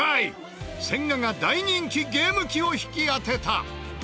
千賀が大人気ゲーム機を引き当てた。